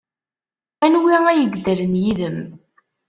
Anwi ay yeddren yid-m?